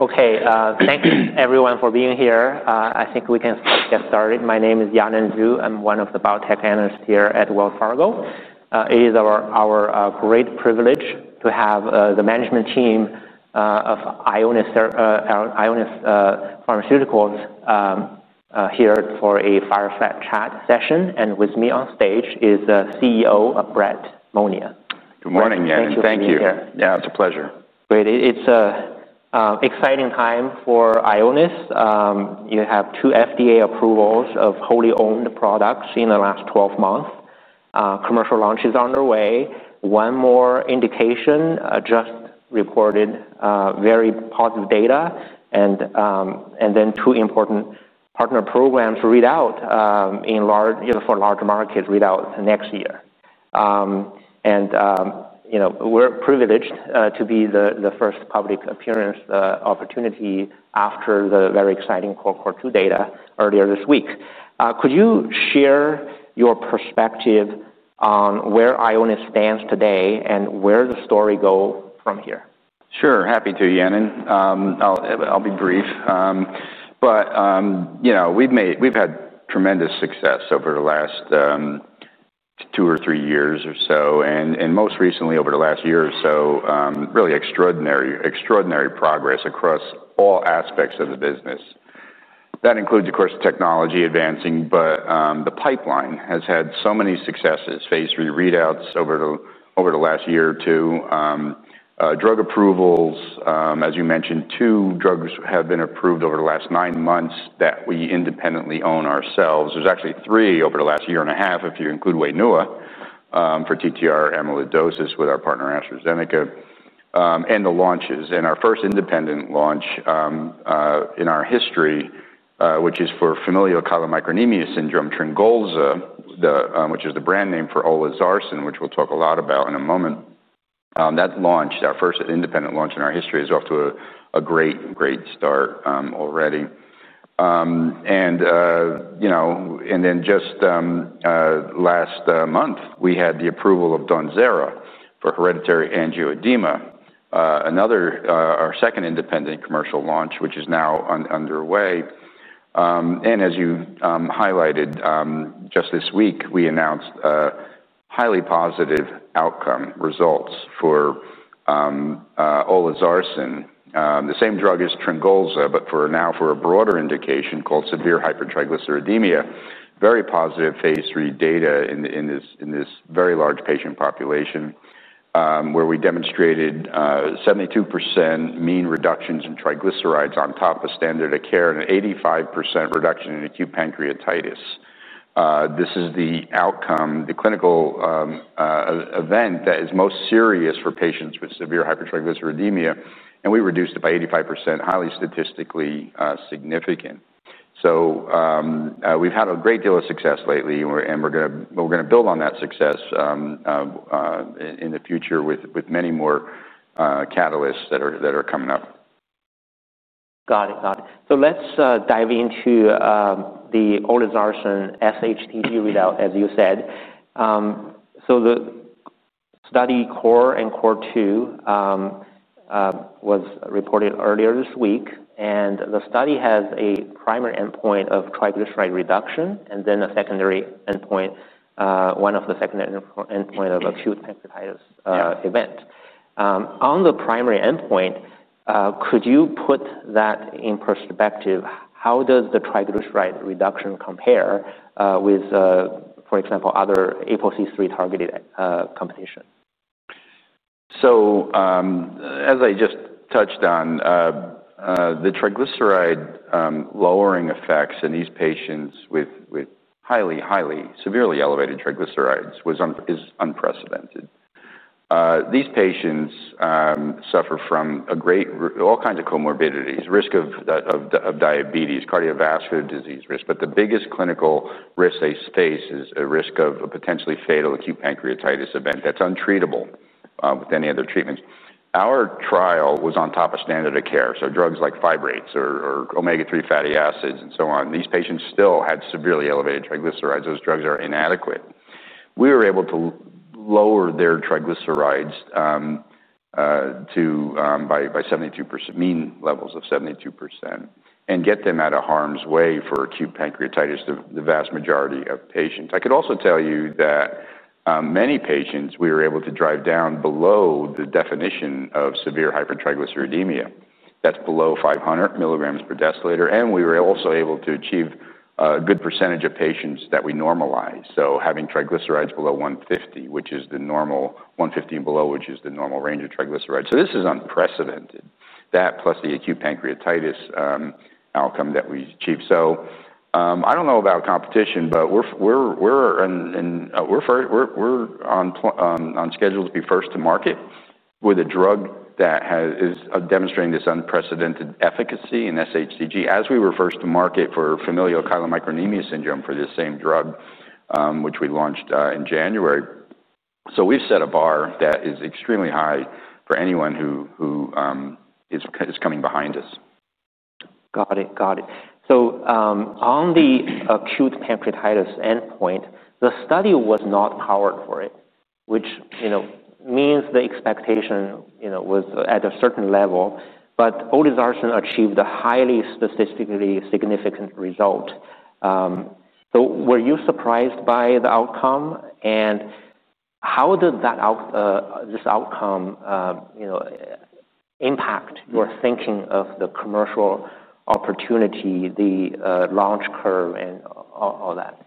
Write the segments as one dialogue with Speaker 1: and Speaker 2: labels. Speaker 1: Okay. Thanks everyone for being here. I think we can get started. My name is Yanan Zhu, I'm one of the biotech analysts here at Wells Fargo. It is our great privilege to have the management team of Pharmaceuticals here for a fireside chat session. And with me on stage is CEO, Brett Monia.
Speaker 2: Good morning, Yan. Thank you. Yes, it's a pleasure.
Speaker 1: Great. It's an exciting time for Ionis. You have two FDA approvals of wholly owned products in the last twelve months. Commercial launch is underway. One more indication just reported very positive data and then two important partner programs readout in large for larger markets readout next year. And we're privileged to be the first public appearance opportunity after the very exciting Cohort two data earlier this week. Could you share your perspective on where Ionis stands today and where the story go from here?
Speaker 2: Sure. Happy to, Yannan. I'll be brief. But we've made we've had tremendous success over the last two or three years or so. And most recently, over the last year or so, really extraordinary progress across all aspects of the business. That includes, of course, technology advancing, but the pipeline has had so many successes, Phase III readouts over the last year or two, Drug approvals, as you mentioned, two drugs have been approved over the last nine months that we independently own ourselves. There's actually three over the last one years, point if you include WAYNUA, for TTR amyloidosis with our partner AstraZeneca and the launches. And our first independent launch in our history, which is for familial chylomicronemia syndrome, Trangolza, which is the brand name for olazarsen, which we'll talk a lot about in a moment, That launch, our first independent launch in our history, is off to a great, great start already. And then just last month, we had the approval of Donzara for hereditary angioedema, another our second independent commercial launch, which is now underway. And as you highlighted, just this week, we announced highly positive outcome results for olazarsen. The same drug as Trangolza, but for now for a broader indication called severe hypertriglyceridemia. Very positive phase three data in this very large patient population, where we demonstrated seventy two percent mean reductions in triglycerides on top of standard of care, and an eighty five percent reduction in acute pancreatitis. This is the outcome, the clinical event that is most serious for patients with severe hypertriglyceridemia, and we reduced it by eighty five percent, highly statistically significant. So we've had a great deal of success lately, and going to build on that success in the future with many more catalysts that are coming up.
Speaker 1: Got it. So let's dive into olezarsen SHTD readout, as you said. So the study CORE and CORE two was reported earlier this week, and the study has a primary endpoint of triglyceride reduction and then a secondary endpoint, one of the secondary endpoint of acute hepatitis event. On the primary endpoint, could you put that in perspective? How does the triglyceride reduction compare with, for example, other APOC3 targeted competition?
Speaker 2: So as I just touched on, the triglyceride lowering effects in these patients with with highly, highly severely elevated triglycerides was is unprecedented. These patients suffer from a great, all kinds of comorbidities, risk of diabetes, cardiovascular disease risk. But the biggest clinical risk they face is a risk of a potentially fatal acute pancreatitis event that's untreatable with any other treatments. Our trial was on top of standard of care. So drugs like fibrates, or omega-three fatty acids, and so on. These patients still had severely elevated triglycerides. Those drugs are inadequate. We were able to lower their triglycerides to, by seventy two percent, mean levels of seventy two percent, and get them out of harm's way for acute pancreatitis, the vast majority of patients. I could also tell you that many patients we were able to drive down below the definition of severe hypertriglyceridemia. That's below five hundred milligrams per deciliter. And we were also able to achieve a good percentage of patients that we normalize. So having triglycerides below which is the normal one fifty and below, which is the normal range of triglycerides. So this is unprecedented. That plus the acute pancreatitis outcome that we achieved. So I don't know about competition, but we're we're we're in in we're we're on on schedule to be first to market with a drug that has is demonstrating this unprecedented efficacy in SHCG as we were first to market for familial chylomicronemia syndrome for this same drug, which we launched in January. So we've set a bar that is extremely high for anyone who who is is coming behind us.
Speaker 1: Got it. Got it. So on the acute pancreatitis endpoint, the study was not powered for it, which, you know, means the expectation, you know, was at a certain level, but odesarsen achieved a highly statistically significant result. So were you surprised by the outcome? And how did that out this outcome, you know, impact your thinking of the commercial opportunity, the launch curve, and all that?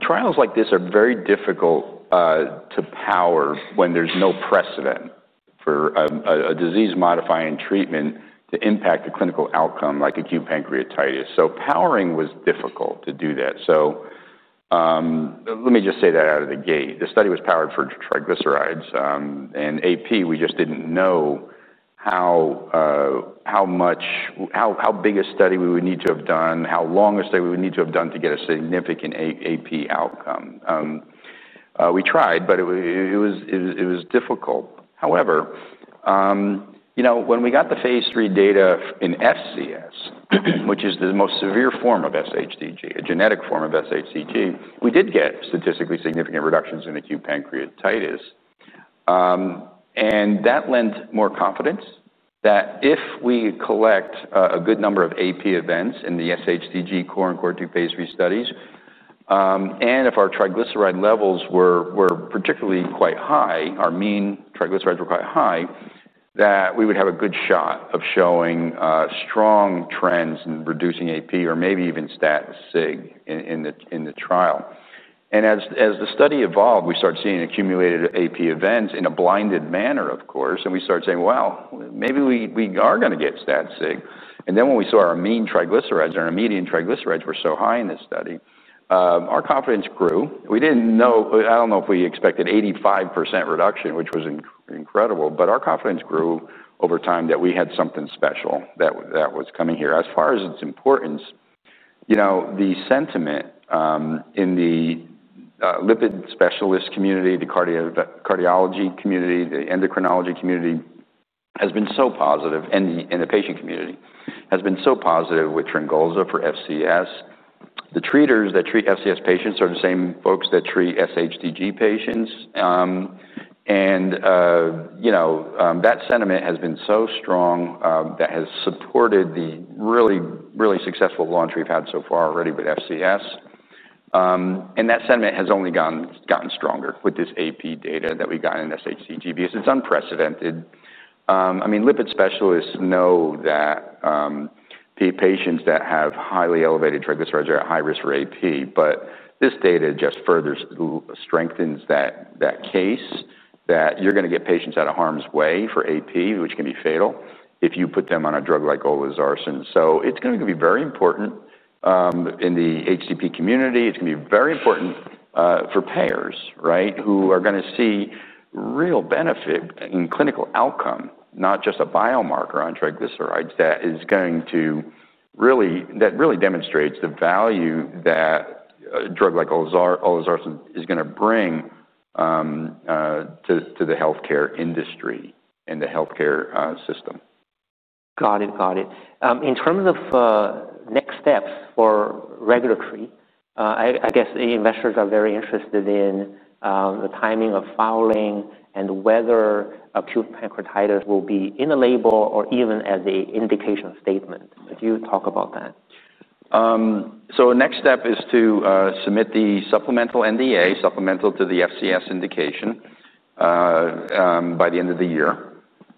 Speaker 2: Trials like this are very difficult to power when there's no precedent for a disease modifying treatment to impact a clinical outcome like acute pancreatitis. So powering was difficult to do that. So let me just say that out of the gate. The study was powered for triglycerides and AP. We just didn't know how much, how big a study we would need to have done, how long a study we would need to have done to get a significant AP outcome. Outcome. We tried, but it was difficult. However, you know, when we got the phase three data in SCS, which is the most severe form of SHDG, a genetic form of SHDG, we did get statistically significant reductions in acute pancreatitis. And that lent more confidence that if we collect a good number of AP events in the SHDG core on core two phase three studies, and if our triglyceride levels were particularly quite high, our mean triglycerides were quite high, that we would have a good shot of showing strong trends in reducing AP or maybe even stat sig in the trial. And as the study evolved, we started seeing accumulated AP events in a blinded manner, of course, and we started saying, well, maybe we are going to get stat sig. And then when we saw our mean triglycerides, our median triglycerides were so high in this study, our confidence grew. We didn't know, I don't know if we expected 85% reduction, which was incredible, but our confidence grew over time that we had something special that was coming here. As far as its importance, you know, the sentiment in the lipid specialist community, the cardiology community, the endocrinology community, has been so positive, and the patient community, has been so positive with Tringosa for FCS. The treaters that treat FCS patients are the same folks that treat SHTG patients. And that sentiment has been so strong that has supported the really, really successful launch we've had so far already with FCS. And that sentiment has only gotten gotten stronger with this AP data that we got in SHCGB. It's unprecedented. Mean, lipid specialists know that the patients that have highly elevated triglycerides are high risk for AP, but this data just further strengthens that case that you're gonna get patients out of harm's way for AP, which can be fatal, if you put them on a drug like olazarsen. So it's going be very important in the HCP community. It's going be very important for payers, right, who are going to see real benefit in clinical outcome, not just a biomarker on triglycerides, that is going to really that really demonstrates the value that a drug like ozar ozarsen is gonna bring to to the health care industry and the health care system.
Speaker 1: Got it. Got it. In terms of next steps for regulatory, guess the investors are very interested in the timing of filing and whether acute pancreatitis will be in the label or even as an indication statement. Could you talk about that?
Speaker 2: So the next step is to submit the supplemental NDA, supplemental to the FCS indication, by the end of the year.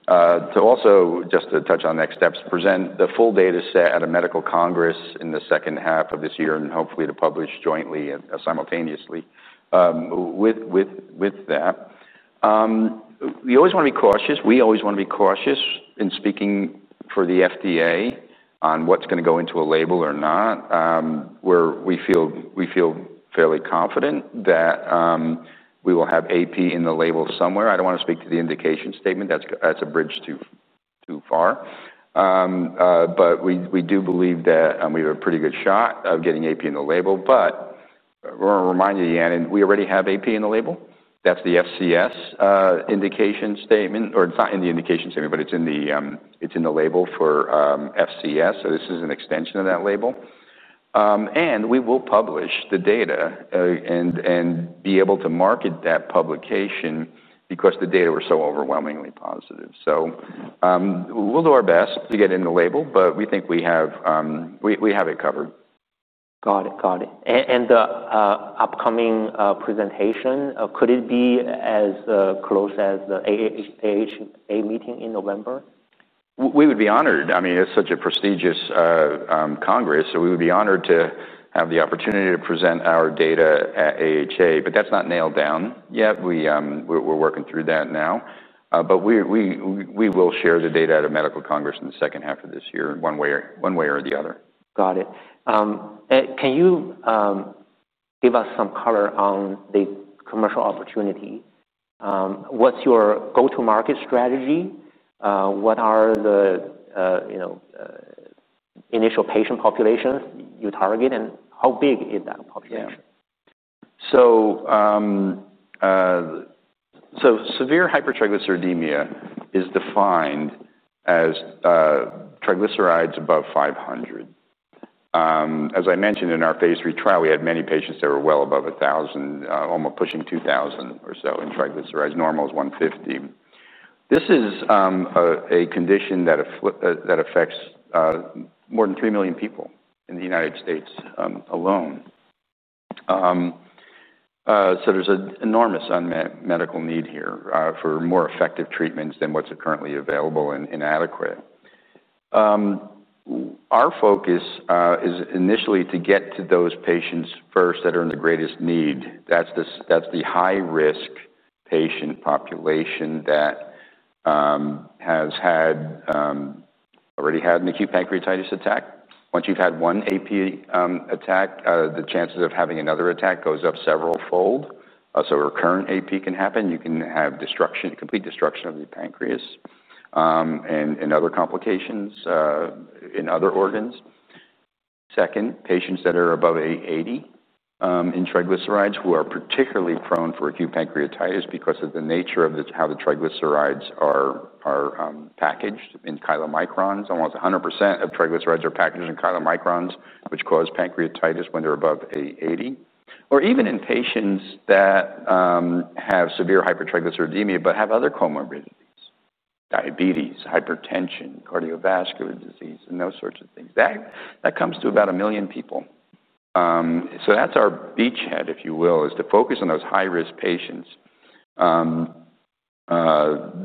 Speaker 2: To also, just to touch on next steps, present the full dataset at a medical congress in the second half of this year, and hopefully to publish jointly simultaneously with with with that. We always wanna be cautious. We always wanna be cautious in speaking for the FDA on what's gonna go into a label or not. We're we feel we feel fairly confident that we will have AP in the label somewhere. I don't wanna speak to the indication statement. That's that's a bridge too too far. But we we do believe that we have a pretty good shot of getting AP in the label. But wanna remind you, Yannen, we already have AP in the label. That's the FCS indication statement. Or it's not in the indication statement, but it's in the it's in the label for FCS. So this is an extension of that label. And we will publish the data and and be able to market that publication because the data were so overwhelmingly positive. So we'll do our best to get in the label, but we think we have we we have it covered.
Speaker 1: Got it. Got it. And the upcoming presentation, could it be as close as the AAHA meeting in November?
Speaker 2: We would be honored. I mean, it's such a prestigious, congress, so we would be honored to have the opportunity to present our data at but that's not nailed down yet. We we're we're working through that now. But we we we will share the data at a medical congress in the second half of this year, one way or one way or the other.
Speaker 1: Got it. Can you give us some color on the commercial opportunity? What's your go to market strategy? What are the, you know, initial patient populations you target, and how big is that population? So
Speaker 2: so severe hypertriglyceridemia is defined as triglycerides above 500. As I mentioned in our phase three trial, had many patients that were well above a thousand, almost pushing 2,000 or so in triglycerides. Normal is 150. This is a condition that affects more than three million people in The United States alone. So there's an enormous unmet medical need here for more effective treatments than what's currently available and inadequate. Our focus is initially to get to those patients first that are in the greatest need. That's the high risk patient population that has had already had an acute pancreatitis attack. Once you've had one AP attack, the chances of having another attack goes up several fold. So recurrent AP can happen. You can have destruction, complete destruction of the pancreas, and other complications in other organs. Second, patients that are above eight eighty in triglycerides who are particularly prone for acute pancreatitis because of the nature of how the triglycerides are packaged in chylomicrons. Almost 100% of triglycerides are packaged in chylomicrons, which cause pancreatitis when they're above eight eighty. Or even in patients that have severe hypertriglyceridemia but have other comorbidities. Diabetes, hypertension, cardiovascular disease, and those sorts of things. That comes to about a million people. So that's our beachhead, if you will, is to focus on those high risk patients that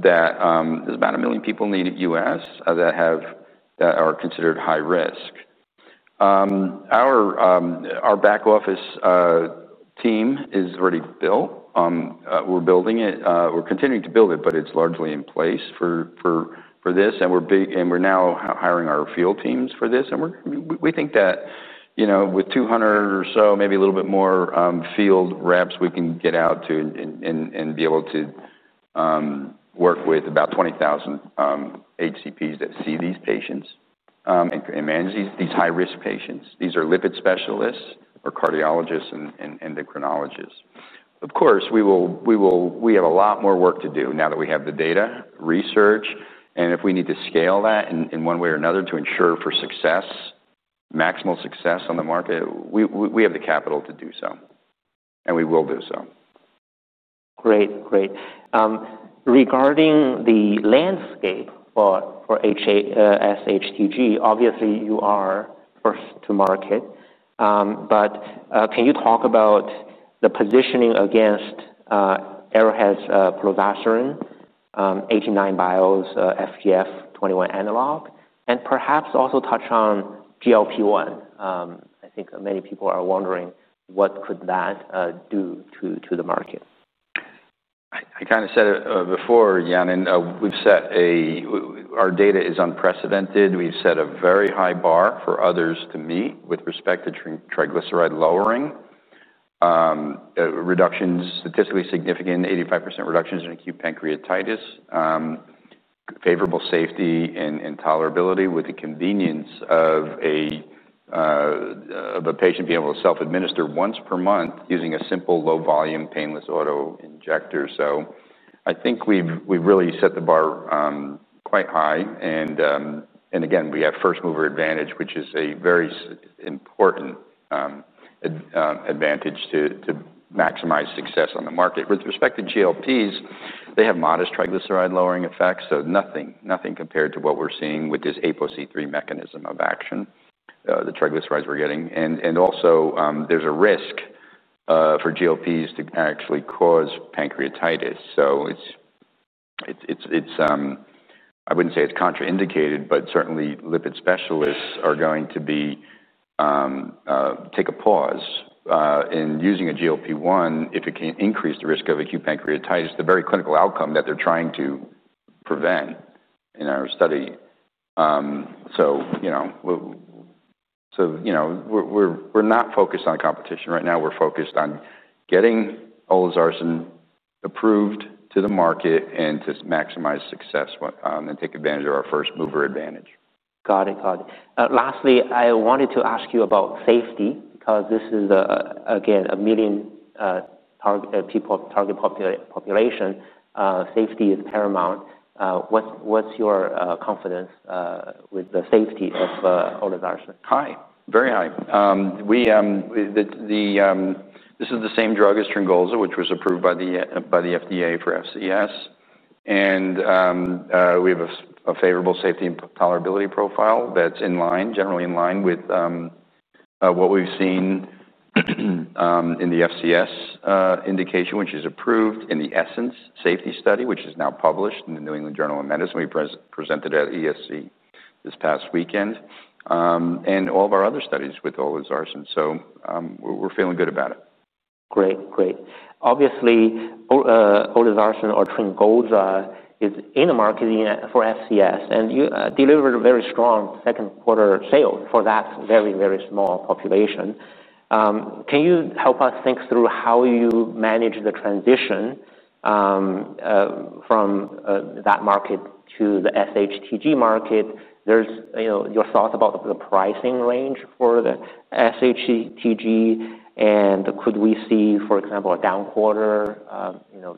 Speaker 2: there's about a million people in The US that have that are considered high risk. Our our back office team is already built. We're building it. We're continuing to build it, but it's largely in place for for for this. And we're big and we're now hiring our field teams for this. And we're we we think that, you know, with 200 or so, maybe a little bit more field reps, can get out to and and be able to work with about 20,000 HCPs that see these patients and manage these high risk patients. These are lipid specialists, or cardiologists, and endocrinologists. Of course, we have a lot more work to do now that we have the data, research. And if we need to scale that in in one way or another to ensure for success, maximal success on the market, we we we have the capital to do so, and we will do so.
Speaker 1: Great. Great. Regarding the landscape for SHTG, obviously, you are first to market. But can you talk about the positioning against Aerohaz pravasiran AGNI BIOS FGF21 analog, and perhaps also touch on GLP-one. I think many people are wondering what could that do to the market.
Speaker 2: I kind of said it before, Yanan. We've set a our data is unprecedented. We've set a very high bar for others to meet with respect to triglyceride lowering. Reductions statistically significant, eighty five percent reductions in acute pancreatitis, favorable safety and tolerability with the convenience of a patient being able to self administer once per month using a simple low volume painless auto injector. So I think we've we've really set the bar, quite high. And, and again, we have first mover advantage, which is a very important, advantage to to maximize success on the market. With respect to GLPs, they have modest triglyceride lowering effects. So nothing compared to what we're seeing with this APOC3 mechanism of action, the triglycerides we're getting. And also, there's a risk for GLPs to actually cause pancreatitis. So it's, I wouldn't say it's contraindicated, but certainly lipid specialists are going to be, take a pause in using a GLP-one if it can increase the risk of acute pancreatitis, the very clinical outcome that they're trying to prevent in our study. So, you know, we're not focused on competition right now. We're focused on getting ozarsan approved to the market and to maximize success and take advantage of our first mover advantage. Got it.
Speaker 1: Got it. Lastly, I wanted to ask you about safety because this is, again, a median target people target population. Safety is paramount. What's your confidence with the safety of oligarchin?
Speaker 2: Hi. Very high. This is the same drug as Trangosa, which was approved by the FDA for FCS. And we have a favorable safety and tolerability profile that's in line, generally in line with what we've seen in the FCS indication, which is approved in the ESSENCE safety study, which is now published in the New England Journal of Medicine, we presented at ESC this past weekend, and all of our other studies with oligosarcin. So we're feeling good about it.
Speaker 1: Great. Great. Obviously, oligosarcin or Trincoza is in the market for SCS, and you delivered a very strong second quarter sales for that very, very small population. Can you help us think through how you manage the transition from that market to the SHTG market? There's your thoughts about the pricing range for the SHTG? And could we see, for example, a down quarter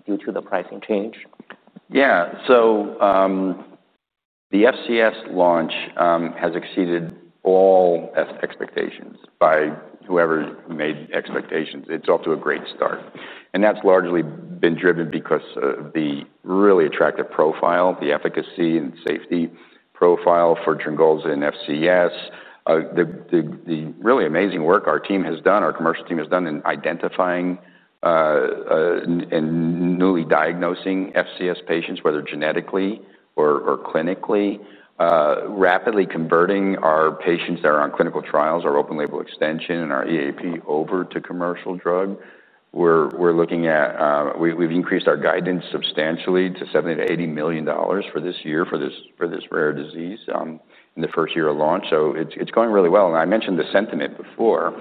Speaker 1: due to the pricing change?
Speaker 2: Yeah. So the FCS launch has exceeded all expectations by whoever made expectations. It's off to a great start. And that's largely been driven because of the really attractive profile, the efficacy and safety profile for Drongols in FCS. The really amazing work our team has done, our commercial team has done in identifying and newly diagnosing FCS patients, whether genetically or clinically, rapidly converting our patients that are on clinical trials, open label extension, and our EAP over to commercial drug. We're looking at we've increased our guidance substantially to 70,000,000 to $80,000,000 for this year for for this rare disease in the first year of launch. So it's it's going really well. And I mentioned the sentiment before,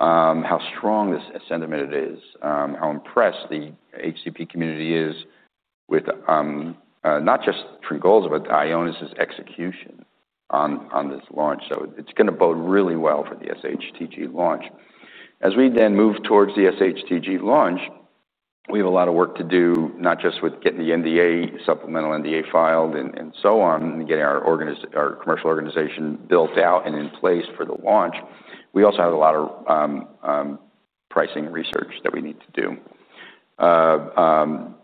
Speaker 2: how strong this sentiment is, how impressed the HCP community is with not just Trigold's, but Ionis' execution on this launch. So it's going to bode really well for the SHTG launch. As we then move towards the SHTG launch, we have a lot of work to do, not just with getting the NDA, supplemental NDA filed and so on and getting our commercial organization built out and in place for the launch. We also have a lot of pricing research that we need to do.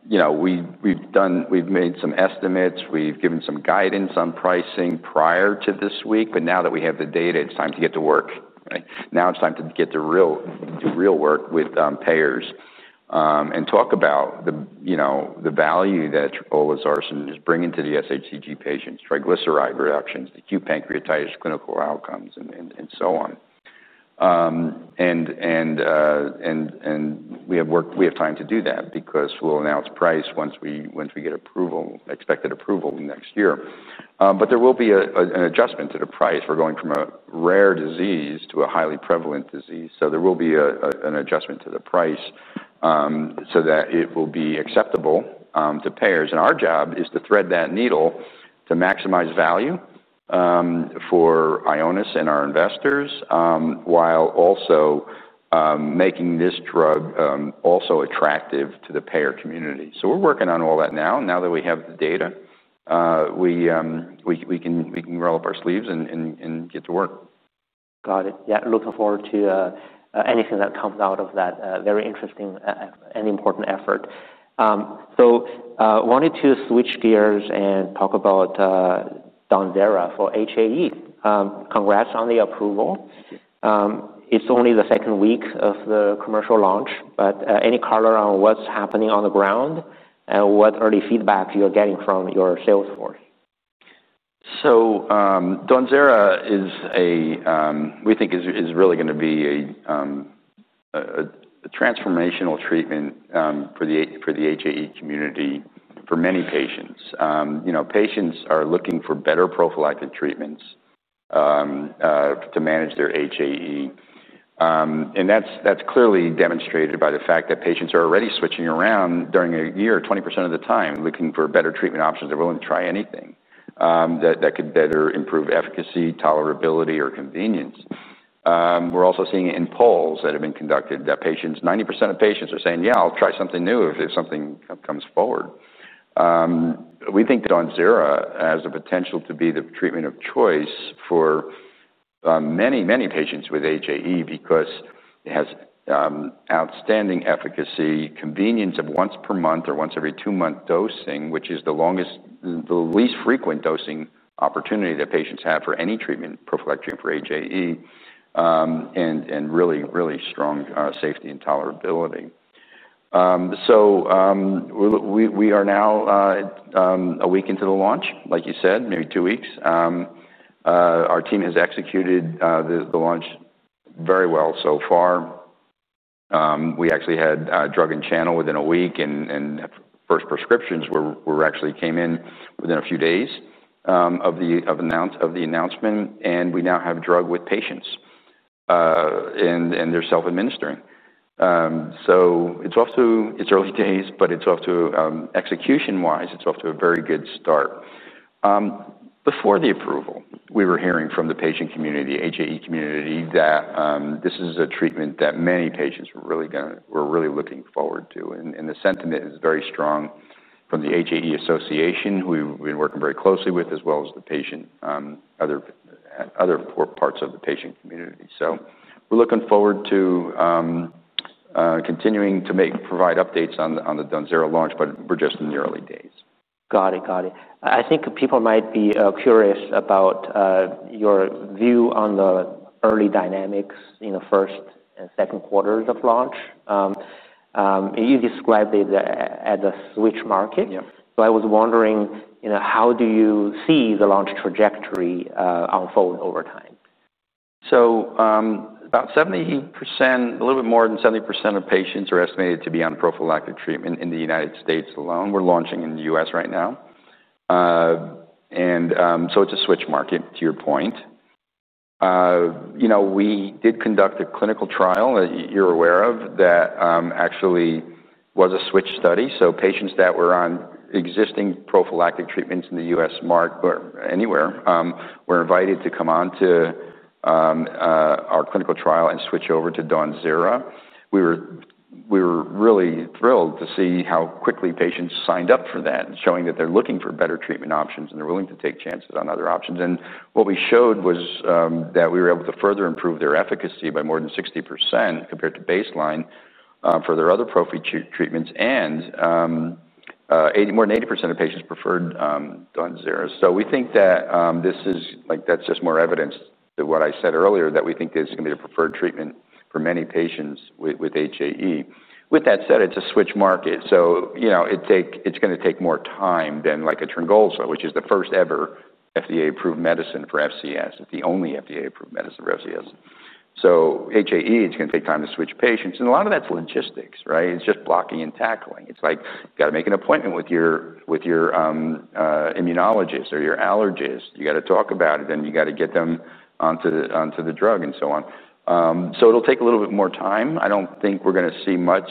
Speaker 2: You know, we've we've done we've made some estimates. We've given some guidance on pricing prior to this week. But now that we have the data, it's time to get to work. Right? Now it's time to get the real the real work with payers and talk about the value that troposarsen is bringing to the SHCG patients, triglyceride reductions, acute pancreatitis, clinical outcomes, and so on. And we have work we have time to do that because we'll announce price once we once we get approval, expected approval next year. But there will be an adjustment to the price. We're going from a rare disease to a highly prevalent disease. So there will be an adjustment to the price so that it will be acceptable to payers. And our job is to thread that needle to maximize value for Ionis and our investors while also making this drug also attractive to the payer community. So we're working on all that now. Now that we have the data, we we we can we can roll up our sleeves and and and get to work.
Speaker 1: Got it. Yes, looking forward to anything that comes out of that very interesting and important effort. So wanted to switch gears and talk about DOMDARA for HAE. Congrats on the approval. It's only the second week of the commercial launch, but any color on what's happening on the ground and what early feedback you're getting from your sales force?
Speaker 2: So DONZERA is a we think is really going to be a transformational treatment for the HAE community for many patients. You know, patients are looking for better prophylactic treatments to manage their HAE. And that's clearly demonstrated by the fact that patients are already switching around during a year, twenty percent of the time, looking for better treatment options. They're willing to try anything that could better improve efficacy, tolerability, or convenience. We're also seeing it in polls that have been conducted that patients, ninety percent of patients are saying, yeah, I'll try something new if something comes forward. We think that ONSIRA has the potential to be the treatment of choice for many, many patients with HAE because it has outstanding efficacy, convenience of once per month or once every two month dosing, which is the longest, the least frequent dosing opportunity that patients have for any treatment, prophylactic for HAE, and really, really strong safety and tolerability. So we are now a week into the launch, like you said, maybe two weeks. Our team has executed launch very well so far. We actually had drug and channel within a week, and and first prescriptions were were actually came in within a few days of the of announce of the announcement. And we now have drug with patients, And they're self administering. So it's off to it's early days, but it's off to execution wise, it's off to a very good start. Before the approval, we were hearing from the patient community, HAE community, that this is a treatment that many patients were really looking forward to. And the sentiment is very strong from the HAE association, who we've been working very closely with, as well as the patient, other parts of the patient community. So we're looking forward to continuing to make provide updates on the DONZERO launch, but we're just in the early days.
Speaker 1: Got it. Got it. I think people might be curious about your view on the early dynamics in the first and second quarters of launch. You described it as a switch market. So I was wondering how do you see the launch trajectory unfold over time?
Speaker 2: So about seventy percent a little bit more than seventy percent of patients are estimated to be on prophylactic treatment in The United States alone. We're launching in The US right now. And so it's a switch market to your point. You know, we did conduct a clinical trial that you're aware of that actually was a switch study. So patients that were on existing prophylactic treatments in The US, Mark, or anywhere, were invited to come on to our clinical trial and switch over to DAWNZERA. We were really thrilled to see how quickly patients signed up for that, showing that they're looking for better treatment options and they're willing to take chances on other options. And what we showed was, that we were able to further improve their efficacy by more than sixty percent compared to baseline, for their other prophy treatments. And, more than eighty percent of patients preferred, Donsera. So we think that, this is, that's just more evidence than what I said earlier, that we think this is going be the preferred treatment for many patients with HAE. With that said, it's a switch market. So it's going to take more time than like a Trangulsa, which is the first ever FDA approved medicine for FCS. It's the only FDA approved medicine for FCS. So HAE, it's gonna take time to switch patients. And a lot of that's logistics. Right? It's just blocking and tackling. It's like you gotta make an appointment with your immunologist or your allergist. You gotta talk about it, and you gotta get them onto the onto the drug and so on. So it'll take a little bit more time. I don't think we're gonna see much.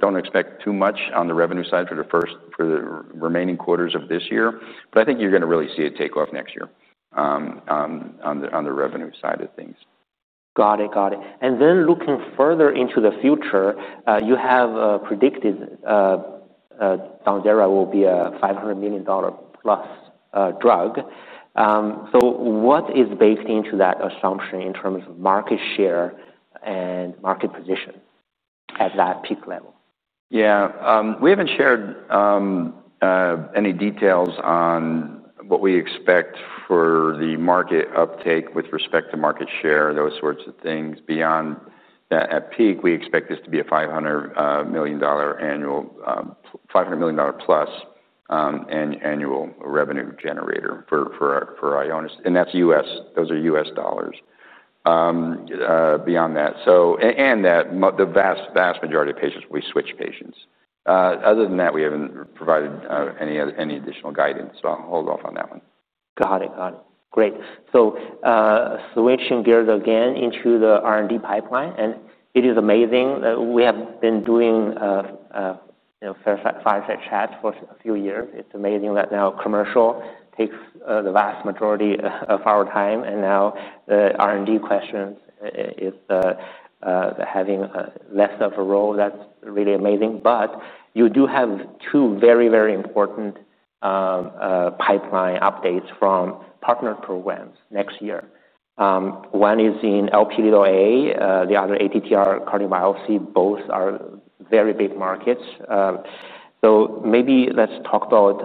Speaker 2: Don't expect too much on the revenue side for the first for the remaining quarters of this year, but I think you're gonna really see it take off next year on the revenue side of things.
Speaker 1: Got it. Got it. And then looking further into the future, you have predicted Zanzera will be a $500,000,000 plus drug. So what is baked into that assumption in terms of market share and market position at that peak level?
Speaker 2: Yes. We haven't shared any details on what we expect for the market uptake with respect to market share, those sorts of things beyond that at peak, we expect this to be a $500,000,000 annual $500,000,000 plus annual revenue generator for for Ionis. And that's US those are US dollars beyond that. So and that the vast, vast majority of patients, we switch patients. Other than that, we haven't provided any additional guidance, so I'll hold off on that one.
Speaker 1: Got it. Got it. Great. So switching gears again into the R and D pipeline, and it is amazing that we have been doing know, chat for a few years. It's amazing that now commercial takes the vast majority of our time, and now the r and d questions is having less of a role. That's really amazing. But you do have two very, very important pipeline updates from partner programs next year. One is in LpD0A, the other ATTR, cardiomyopathy, both are very big markets. So maybe let's talk about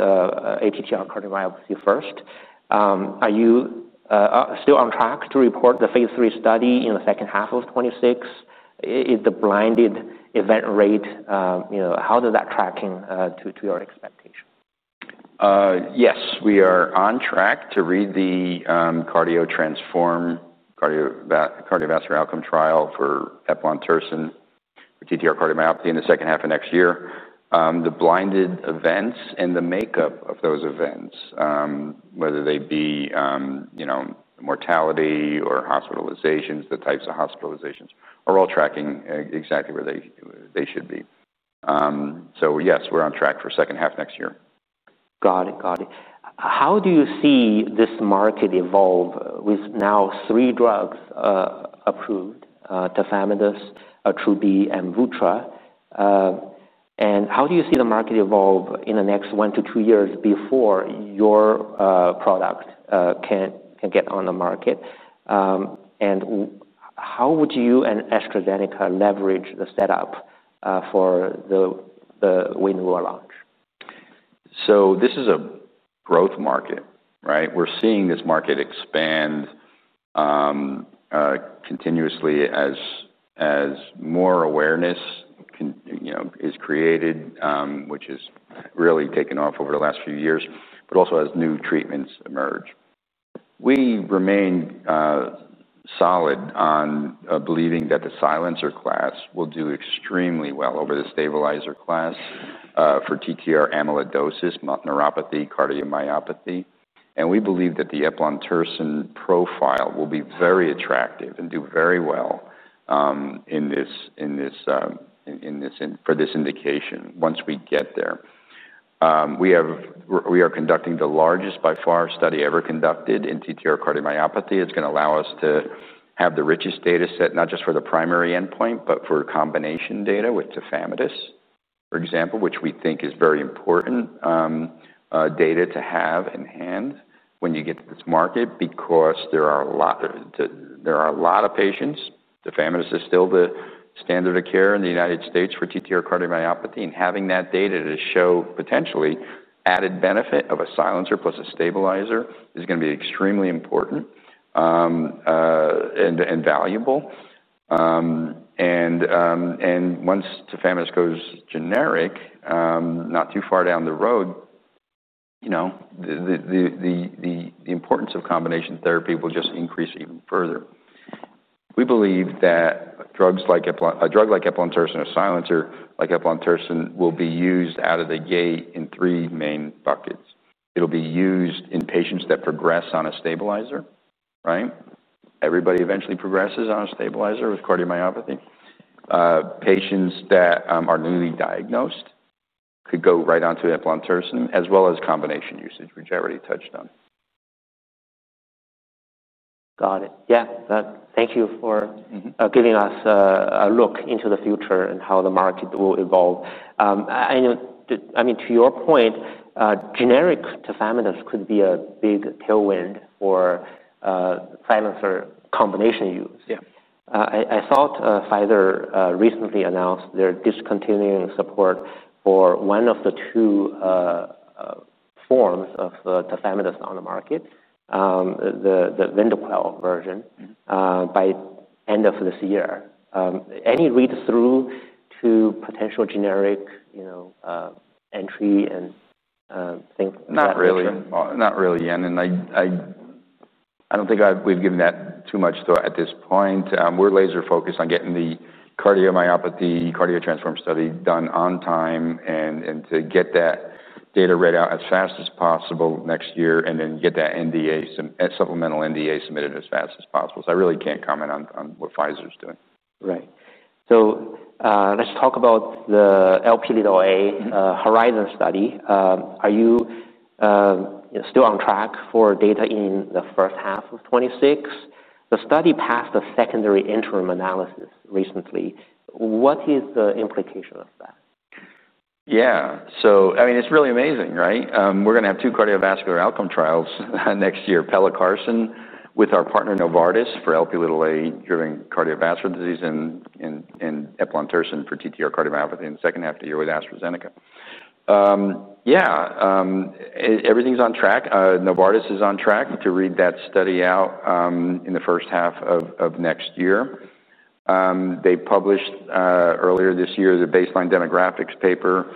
Speaker 1: ATTR cardiomyopathy first. Are you still on track to report the Phase III study in the 2026? Is the blinded event rate, you know, how does that tracking to your expectation?
Speaker 2: Yes. We are on track to read the cardio transform cardio cardiovascular outcome trial for Efelon Tirsen for TTR cardiomyopathy in the second half of next year. The blinded events and the makeup of those events, whether they be, you know, mortality or hospitalizations, the types of hospitalizations, are all tracking exactly where they they should be. So, yes, we're on track for second half next year.
Speaker 1: Got it. Got it. How do you see this market evolve with now three drugs approved, tafamidis, Atruby, and Vutra? And how do you see the market evolve in the next one to two years before your product can can get on the market? And how would you and AstraZeneca leverage the setup for Winura launch?
Speaker 2: So this is a growth market. Right? We're seeing this market expand continuously as as more awareness can you know, is created, which has really taken off over the last few years, but also as new treatments emerge. We remain solid on believing that the silencer class will do extremely well over the stabilizer class for TTR amyloidosis, neuropathy, cardiomyopathy. And we believe that the eplontirsen profile will be very attractive and do very well this, for this indication once we get there. We are conducting the largest, by far, study ever conducted in TTR cardiomyopathy. It's going to allow us to have the richest data set, not just for the primary endpoint, but for combination data with tafamidis, for example, which we think is very important data to have in hand when you get to this market, because there are a lot of patients. Tafamidis is still the standard of care in The United States for TTR cardiomyopathy. And having that data to show potentially added benefit of a silencer plus a stabilizer is gonna be extremely important and and valuable. And and once tafamidis goes generic, not too far down the road, you know, the the the the importance of combination therapy will just increase even further. We believe that drugs like a drug like eplontirsen or silencer, like eplontirsen, will be used out of the gate in three main buckets. It'll be used in patients that progress on a stabilizer. Right? Everybody eventually progresses on a stabilizer with cardiomyopathy. Patients that are newly diagnosed could go right on to epilentersen, as well as combination usage, which I already touched on.
Speaker 1: Got it. Yes. Thank you for giving us a look into the future and how the market will evolve. I mean to your point, generic tafamidis could be a big tailwind for Pfizer combination use. Yeah. I I thought Pfizer recently announced their discontinuing support for one of the two forms of tafamidis on the market, the the VindoQuel version Mhmm. By end of this year. Any read through to potential generic, you know, entry and
Speaker 2: Not really. Not really, Yan. And I don't think we've given that too much thought at this point. We're laser focused on getting the cardiomyopathy, cardio transform study done on time and and to get that data read out as fast as possible next year and then get that NDA supplemental NDA submitted as fast as possible. So I really can't comment on on what Pfizer's doing.
Speaker 1: Right. So let's talk about the LP little a Mhmm. Horizon study. Are you still on track for data in the '26? The study passed the secondary interim analysis recently. What is the implication of that?
Speaker 2: Yeah. So, I mean, it's really amazing. Right? We're gonna have two cardiovascular outcome trials next year, pelicarson with our partner Novartis for LP driven cardiovascular disease and Eplontirsen for TTR cardiomyopathy in the second half of year with AstraZeneca. Yeah, everything's on track. Novartis is on track to read that study out in the first half of next year. They published earlier this year the baseline demographics paper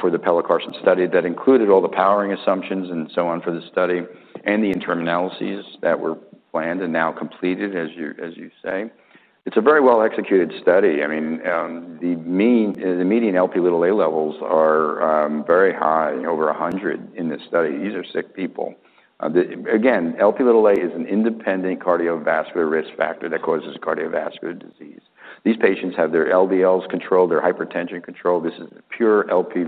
Speaker 2: for the Pellicarson study that included all the powering assumptions and so on for the study, and the interim analyses that were planned and now completed, as you say. It's a very well executed study. I mean, the median LP levels are very high, over 100 in this study. These are sick people. Again, LP is an independent cardiovascular risk factor that causes cardiovascular disease. These patients have their LDLs controlled, their hypertension controlled. This is pure LP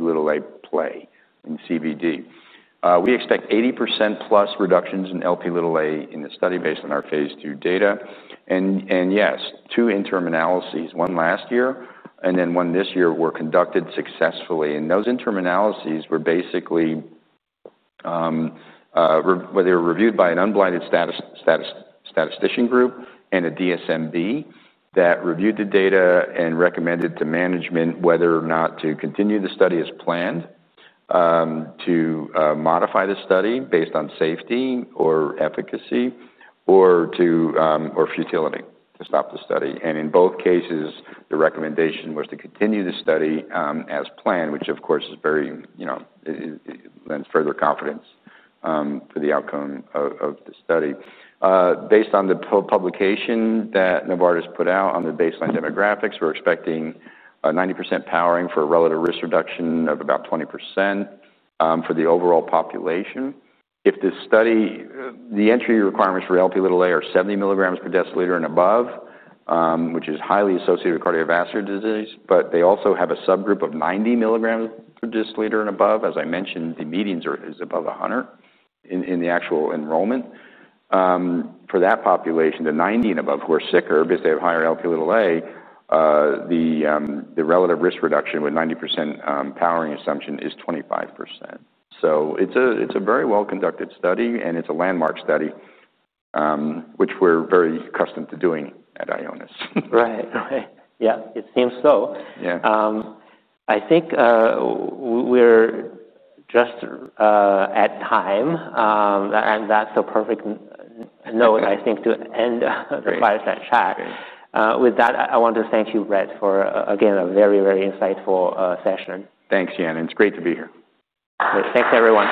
Speaker 2: play in CBD. We expect eighty percent plus reductions in LP in the study based on our phase two data. And yes, two interim analyses, one last year and then one this year, were conducted successfully. And those interim analyses were basically, where they were reviewed by an unblinded status statistician group and a DSMB that reviewed the data and recommended to management whether or not to continue the study as planned, to modify the study based on safety or efficacy, or to or futility to stop the study. And in both cases, the recommendation was to continue the study as planned, which of course is very, you know, lends further confidence for the outcome of the study. Based on the publication that Novartis put out on the baseline demographics, we're expecting a ninety percent powering for a relative risk reduction of about twenty percent for the overall population. If this study the entry requirements for LP are seventy milligrams per deciliter and above, which is highly associated with cardiovascular disease. But they also have a subgroup of ninety milligrams per deciliter and above. As I mentioned, the median is above 100 in the actual enrollment. For that population, the 90 and above who are sicker because they have higher Lp, relative risk reduction with 90% powering assumption is twenty five percent. So it's a it's a very well conducted study, and it's a landmark study, which we're very accustomed to doing at Ionis.
Speaker 1: Right. Okay. Yeah. It seems so. Yeah. I think we're just at time, and that's a perfect note, I think, to end the fireside chat. With that, I want to thank you, Brett, for, again, a very, very insightful session.
Speaker 2: Thanks, Yanan. It's great to be here.
Speaker 1: Thanks, everyone.